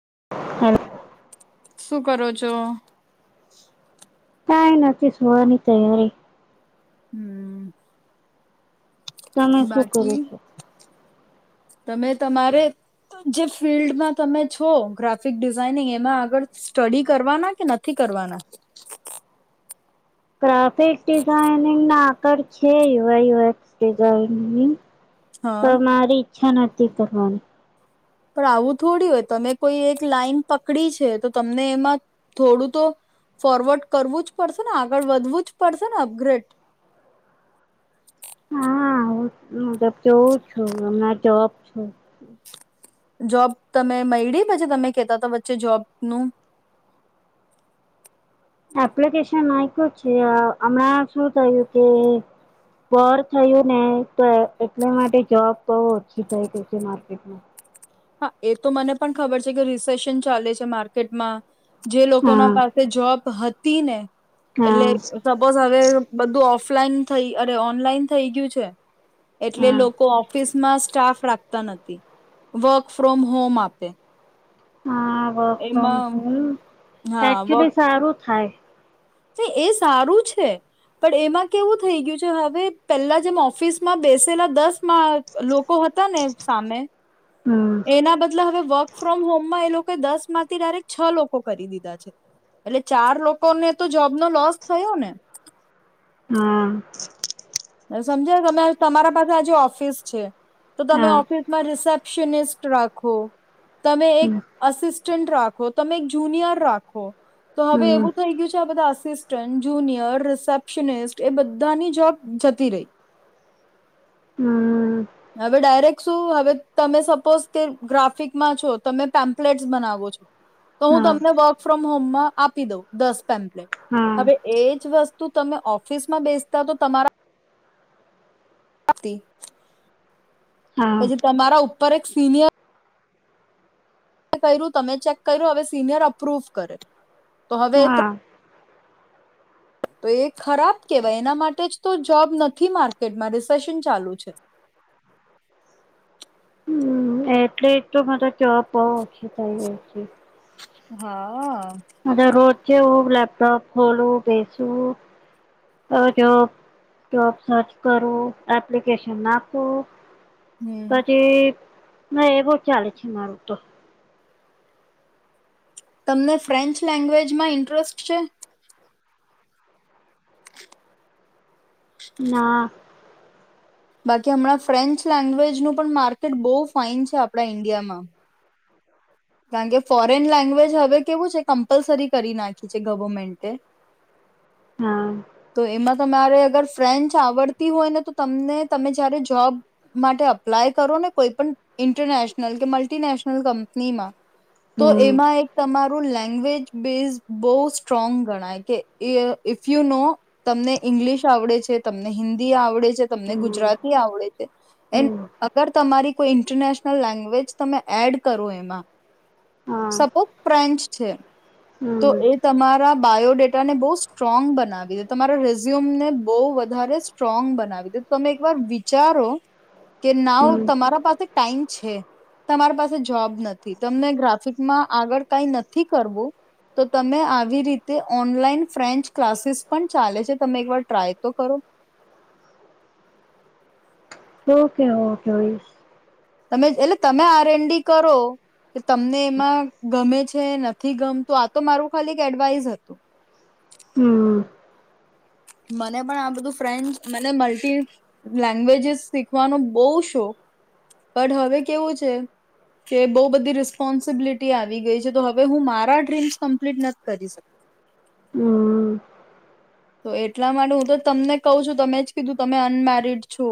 [inaudible] શું કરો છો કઈ નથી સુવાની તૈયારી હમ તમે શું કરો બાકી છો તમે તમારે જે ફિલ્ડમાં તમે છો ગ્રાફિક ડિઝઇનિંગ એમાં આગળ સ્ટડી કરવાના કે નથી કરવાના ક્રાફિક ડિઝાઇનિંગ ના આગળ છે યુવાુએક્ ડિઝઇન તો હા મારી ઈચ્છા નથી સ્ કરવાની પણ આવું થોડી હોય તમે કોઈ એક લાઈન પકડી છે તો તમને એમાં થોડું તો ફોરવર્ડ કરવું જ પડશે ને આગળ વધવું જ પડશે ને અપગ્રેડ હા હું મતબ જોઉં છું હમ જબ છે જોબ તમે મળડી પછી તમે કેતા હતા વચ્ચે જોબનુંું એપ્લિકેશન આપ્યું છે હમણાં શું થયું કે વોર થયું ને તો એટલા માટે જોબ બહ ઓછી થઈ ગઈ છે માર્કેટમાં હા એ તો મને પણ ખબર છે કે રિસેેશન ચાલે છે માર્કેટમાં જે લોકો ના હા પાસે જોબ તને હા એલે સપોઝ હવે બધું ઓફલાઈન થઈ અરે ઓનલાઈન થઈ ગયું છે એટલે હા લોકો ઓફિસમાં સ્ટાફ રાખતા નથી. વર્ક ફ્રોમ હોમ આપે. હા વર્ક ફોર્મ એમાં હોમ હા વર્ક એકચ્યુલી સારું થાય. એ સારું છે. પણ એમાં કેવું થઈ ગયું છે હવે પેલા જેમ ઓફિસમાં બેસેલા દસ માં લોકો હતા ને સામે હમ એના બદલે હવે વર્ક ફ્રોમ હોમમાં એ લોક કો એ દસમાંથી ડાયરેક્ટ છ લોકો કરી દીધા છે. એટલે ચાર લોકોને તો જોબનો લોસ થયો ને? હા અ સમજાય તમે તમારા પાસે આજે ઓફિસ છે. તો તમે હા ઓફિસમાં રિસેપ્શનિસ્ટ રાખો તમે એક હમ અસિસ્ટન્ટ રાખ ખો તમે એક જુનિયર રાખો તો હવે હમ એવું થઈ ગયું છે આ બધા અસિસ સ્ટન્ટ, જુનિયર, રિસેપ્શનિસ્ટ એ બધાની જોબ જતી રે હમ હવે ડાયરેક્ટ શું હવે તમે સપોઝ કે ગ્રાફિકમાં છો, તમે પેમ્પલેટ્સ બનાવો છો તો હું હા તમને વર્ક ફ્રોમ હોમમાં આપી દઉં દસ પેમ્પલેટ હા હવે એજ વસ્ તું તમે ઓફિસમાં બેસતા તો તમારા [inaudible] હા પછી તમારા ઉપર એક સિનિયર મે કર્યું તમે ચેક કર્યું હવે સિનિયર અપ્રૂવ કરે. તો હવે હા તો એ ખરાબ કહેવાય એના માટે જ તો જોબ નથી માર્કેટમાં રિસેેશન ચાલુ છે. હમ એટલે એ તો મને જોબ બહુ ઓખી થઈ ગઈ તી હા [inaudible] રોજ જેવું લેપટોપ ખોલું બેસું અ જોબ જોબ સર્ચ કરું, એપ્લિકેશન નાખું હમ. પછી ના એ બહુ ચાલે છે મારું તો તમને ફ્રેન્ચ લેંગ્વેજમાં ઇન્ટરેસ્ટ છે? ના બાકી હમણાં ફ્રેન્ચ લેંગ્વેજનું પણ માર્કેટ બહુ ફાાઈન છે આપણા ઈન્ડિયામાં કારણ કે ફોરેન લેંગ્વેજ હવે કેવું છે કમ્પલસરી કરી નાખી છે ગવર્મેન્ટે હા તો એમાં તમારે અગર ફ્રેન્ચ આવડતી હોય ને તો તમને તમે જયારે જોબ માટે અપ્લાય કરો ને કોઈ પણ ઇન્ટરનેશનલ કે મલ્ટીનેશનલ કંપનીમાં તો હમ એમાં એક તમારું લ લેંગ્જ બેઝ બહુ સ્ટ્રોંગ ગણાય કે ઇફ યુ નો તમને ઇંગ્લિશ આવડે છે તમને હિન્દી આવડે છે તમને હમ ગુજરાતી આવડે છે એ હમ અગર તમારી કોઈ ઇન્ટરનેશનલ લેંગવેજ તમે એડ કરો એમાં હા સપો ફન્ચ છે તો હમ એ તમારા બાય ડેટા ને બહુ સ્ટ્રોંગ બનાવી દે તમારા રેઝ્યુમ ને બહુ વધારે સ્ટ્રોંગ બનાવી દે તમે એકવાર વિચારો કે નાવ હમ તમારા પાસે ટાઈમ છે તમારી પાસે જોબ નથી તમને ગ્રાફિકમાં આગળ કઈ નથી કરવું તો તમે આવી રીતે ઓનલાઈન ફ્રેન્ચ ક્લાસીસ પણ ચાલે છે તમે એકવાર ટ્રાય તો કરો ઓકે ઓકે ઓય તમે એટલે તમે આર એનડી કરો કે તમને એમાં ગમે જ છે નથી ગમતું આ તો મારું ખાલી એડવાઈસ હતું હમ મને પણ આ બધું ફ્રેન્ચ મને મલ્ટી લેંગ્વેજસ શીખવાનો બહુ શોખ બટ હવે કેવું છે કે બહુ બધી રિસ્પોન્સિબિલિટી આવી ગઈ છે તો હવે હું મારા ડ્રીમ્સ કમ્પ્લીટ નથી કરી શક હમ તો એટલા માટે હું તો તમને કહ છું તમે જ કીધું તમે અનમેરડ છો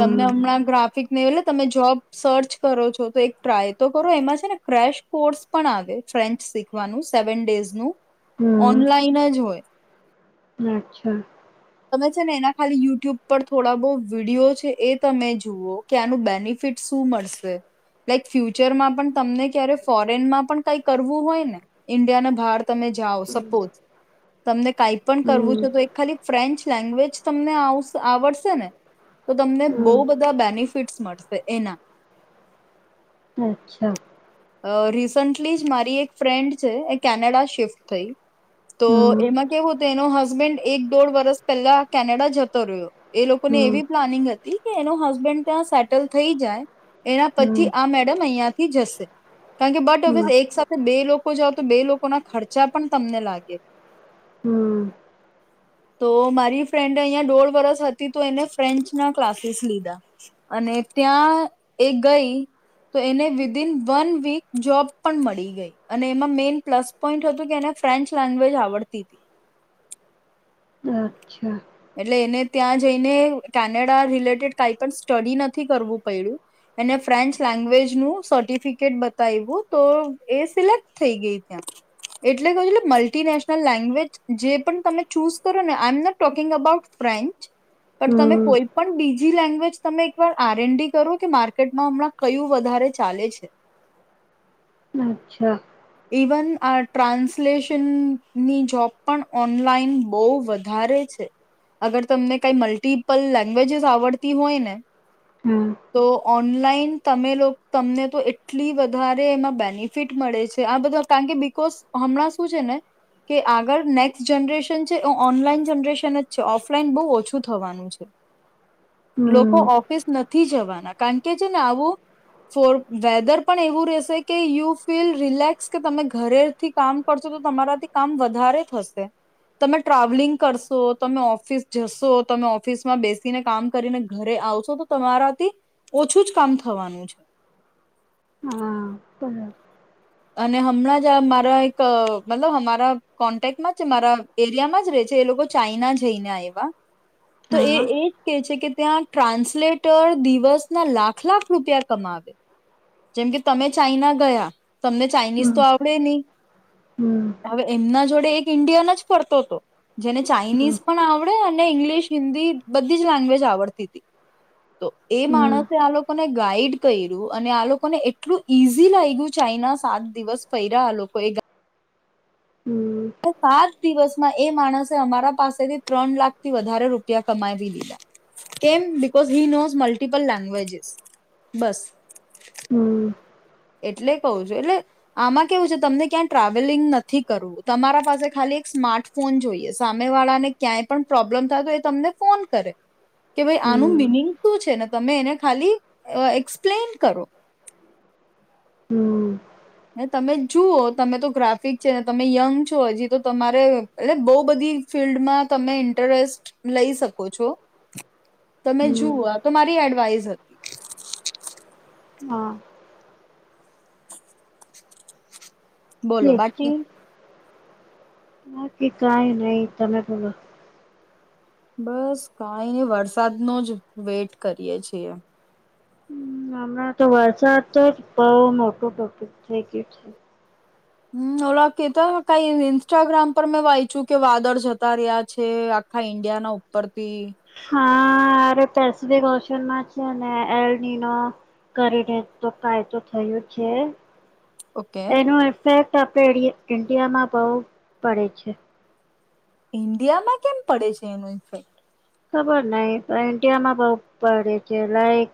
તમને હમણાં ગ ટાિક નહી એટલે તમે જોબ સર્ચ કરો છો તો એક ટ્રાય તો કરો એમાં છે ને ક્રેશ કોર્સ પણ આવે ફ્રેન્ચ શીખવાનું સેવન ડેઝ નું હમ્મ ઓનલાઈન જ જો હોય અચ્છા મે ને એના ખાલી યુટ્યુબ પર થોડા બહુ વિડીિયો છે એ તમે જુઓ કે આનું બેનિફિટ શું મળશે લાઈક ફ્યુચરમાં પણ તમને ક્યારે ફોરેનમાં પણ કઈ કરવું હોય ને ઈન્ડિયાને બહાર તમે જાઓ સપોઝ તમને કઈ પણ કરવું હમ્મ છે તો એક ખાલી ફ્રેન્ચ લેંગ્વેજ તમને આવ આવડશે ને તો તમને બહુ હમ્મ બધા બેનિફિટ્સ મળશે એના અચ્છા અ રિસન્ટલી જ મારી એક ફ્રેન્ડ છે એ કેનેડા શિફ્ટ થઈ તો હમ્મ એમાં કેવુંું તેનો હસબેન્ડ એક દોઢ વર્ષ પહેલા કેનેડા જતો રહ્યો એ લોકોને હમ્મ એવી પ્લાનિંગ હતી કે એનો હસબેન્ડ ત્યાં સેટલ થઈ જાય એના પછી હમ્મ આ મેડમ અહિયાયાથી જશે કારણકે બટ ઓિયસ હમ્મ એક સાથે બે લોકો જાઓ તો બે લોકો ના ખર્ચા પણ તમને લાગે હમ્મ તો મારી ફ્રેન્ડ અહીંયા દોઢ વરસ હતી તો એને ફ્રેન્ચના ક્લાસીસ લીધા અને ત્યાં એ ગઈ તો એને વિદિન વન વીક જોબ પણ મળી ગઈ અને એમાં મેન પ્લસ પોઈન્ટ હતું કે એને ફ્રેન્ચ લેંગ્વેજ આવડતી હતી અચ્છા એટલે એને ત્યાં જઈને કેનેડા રિલેટેડ કઈ પણ સ્ટડી નથી કરવું પડ્યું એને ફ્રેન્ચ લેંગ્વેજનુંું સર્ટિફિકેટ બતાવવું તો એ સિલેક્ટ થઈ ગઈ ત્યાં એટલે કું છેલે મલ્ટિનેશનલ લેંગ્વેજ જે પણ તમે ચૂઝ કરો ને I am not toe ંગ about French પણ તમે હમ્મ કોઈ પણ બીજ બીજી લેંગ્વેજ તમે એકવાર આર એનડી કરો કે માર્કેટમાં હમણાં કયું વધારે ચાલે છે અચ્છા ઇવન આ ટ્રાન્સલેશનની જોબ પણ ઓનલાઈન બહુ વધારે છે અગર તમને કાંઈ મલ્ટિપલ લેંગ્વેજસ આવડતી હોય ને હમ્મ તો ઓનલાઈન તમે લોકો તમને તો એટલી વધારે એમાં બેનિફિટ મળે છે આ બધ કારણ કે બકોઝ હમણાં શું છે ને કે આગળ નેક્સ્ટ જનરેશન છે એ ઓનલાઈન જનરેશન જ છે ઓફલાઈન બહુ ઓછું થવાનું છે લોકો હમ્મ ઓફિસ નથ થી જવાના કાન કે છે ને આવું ફોર વેધર પન એવું રહેશે કે યુ ફીલ રિલેક ન્સ કે તમે ઘરેથી કામ કરશો તો તમારાથી કામ વધારે થશે. તમે ટ્રાવેલિંગ કરશો, તમે ઓફિસ જશો, તમે ઓફિસમાં બેસીને કામ કરીને ઘરે આવશો, તો તમારાથી ઓછું જ કામ થવાનું છે. હા, બરા અને હમણાં જ અ મારા એક અ મતલબ હમારા કોન્ટેક્ટમાં જ છે મારા એરિયામાં જ રેહ છે એ લોકો ચાઈના જઈને આયવા. તો એ હા એ જ કે છે કે ત્યાં ટ્રાન્સલેટર દિવસના લાખ લાખ રૂપિયા કમાવે, જેમ કે તમે ચાઈના ગયા તમને ચાઇનીઝ હમ્મ તો આવડે નહી. હમ્મ હવે એમના જોડ બે એક ઈન્ડિયન જ ફરતો તો. જેને હમ્મ ચાઇનીઝ પણ આવડ તો એને ઇંગ્લિશ, હિન્દી બધી જ લેંગ્વેજ આવડતી તી. તો એ હમ્મ હમ્મ માણસ આ લોક અને ગાઈડ કયરૂ અને આ લોકોને એટલું ઈઝી લાયગુ ચાઇના સાત દિવસ ફૈરા આ લોકો એ ગા હમ્મ તો ફાર દિવસમાં એ માણસે અમારા પાસેથી ત્રણ લાખથી વધારે રૂપિયા કમાવી લીધા, કેમ because he knows multiple languages બસ. એટલે કવ છું એટલે આમાં કેવું છે, તમને ક્યાંય ટ્રાવેલિંગ નથી કરવું. તમારા પાસે ખાલી એક સ્માર્ટ ફોન જોઈએ, સામેવાળાને ક્યાંય પણ પ્રોબ્લેમ થાય તો એ તમને ફોન કરે. કે ભઈ આનું હમ્મ મિનિંગ શું છે ને તમે એને ખાલી અ એક્સપ્લેન કરો. હમ. હે તમે જુઓ તમે તો ગ્રાફિક છે તમે યંગ છો હજી તો તમારે એટલે બહુ બધી ફિલ્ડમાં તમે ઇન્ટરેસ્ટ લઈ શકો છો. તમે હમ્મ જુઓ આ તો મારી એડવાઈસ હતી. હા. બોલો ઠીક છે બાકી. બાકી કાંઈ નહી તમે બોલો. બસ કાંઈને વરસાદનો જ વેટ કરીએ છીએ. હમ, હમણાં તો વરસાત જ બઉ મોટું ટોપિક થઇ ગ્યું છે. હમ, ઓલા કેતા હ કાંઈ ઇન્સ્ટાગ્રામ પર મેં વાયચુ કે વાદળ જતા રહ્યા છે, આખા ઈન્ડિયાના ઉપરથી. હા, અરે પેસફિક ઓશનમાં છે ને એલડીનો કરીને તો કાયતો થયું છે. ઓકે એનું ઇફેક્ટ તો આપે ઈરિયે ઇન્ડિયામાં બહુ પડે છે. ઈન્ડિયામાં કેમ પડે છે, એનું ઇન્ફેક્ટ. ખબર નહીં કારન કે અમા બહુ પડે છે લાઈક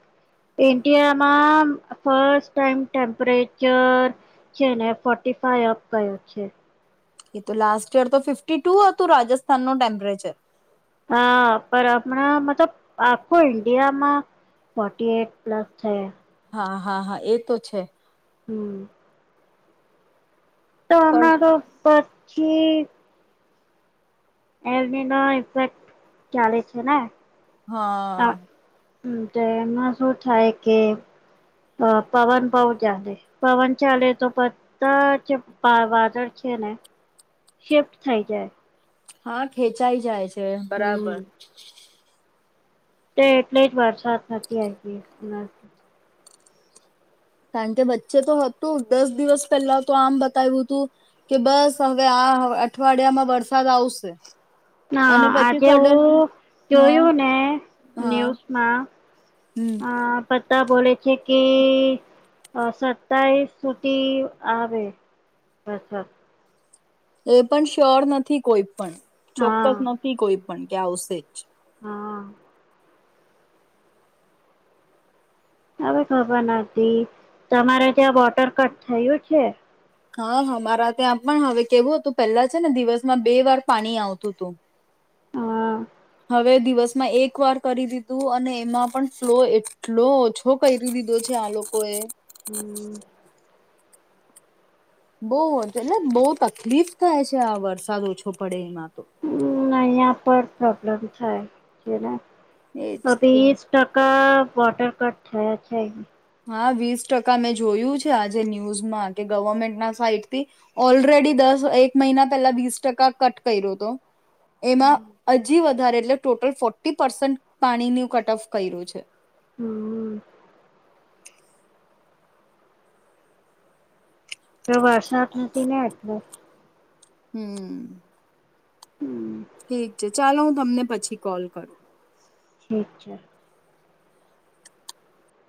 ઈન્ડિયામાં ફસ્ટ ટાઈમ ટેમ્પરેચર છે ને ફોર્ટી ફાય અપ રહે છે. એ તો લાસ્ટ યર તો ફિફ્ટી ટુ હતું રાજસ્થાનનુ ટેમ્પરેચર. હા, પર હમણાં મતલબ આખું ઇન્ડિયામાં ફોટી એટ પ્લસ થય હા, હા, હા. એ તો છે. હમ. તો પણ અમારો સચ છેક એલનીનો ઇફેક્ટ ચાલે છે ને. હા મ તો એમાં શું થાય કે પવન બહ ચાલે પવન ચાલે તો બધા જ વાદળ છે ને શિફ્ટ થઈ જાય હા ખેંચાઈ જાય છે [inaudible] તો એટલે જ વરસાદ નથી આવી કારણ કે વચ્ચે તો હતું દસ દિવસ પહેલા તો આમ બતાવ્યું હતું કે બસ હવે આ અઠવાડિયામાં વરસાદ આવશે હા અને પછી આજે સડન હું હા જોયું ને હા ન્યૂઝમાં હમ બોલે છે કે સતાવીસ સુધી આવેછ એ પણ શ્યોર નથી કોઈ પણ ચોક્કસ હા નથી કોઈ પણ કે આવશે જ હા હવે ખબર નથી તમારે ત્યાં વોટર કટ થયું છે હા હમારા ત્યાં પણ હવે કેવું હતું પેલા છે ને દિવસમાં બે વાર પાણી આવતું હતું હા હવે દિવસમાં એક વાર કરી દીધું અને એમાં પણ ફ્લો એટલો ઓછો કરી દીધો છે આ લોકોએ હમ બહ એટલે બહ તકલીફ થાય છે આ વરસાદ ઓછો પડે એમાં તો હ પર ઉપલબ્ધ થ કેને એજ તો વીસ ટકા કટર કટ થયા છે એ હા વીસ ટકા મેં જોયું છે આજે ન્યૂઝમાં કે ગવર્મેન્ટના સાઈટ થી ઓલરેડી દસ એક મહિના પેલા વીસ ટકા કટ કર્યો હતો એમાં હજી વધુ વધારે એટલે ટોટલ ફોર્ટી પર્સન્ટ પાણીનું કટ ઓફ કર્યું છે હમ પ્ર વા સાત નથી ને એટલે હમ હમ ઠીક છે ચાલો હું તમને પછી કોલ કરું ઠીક છે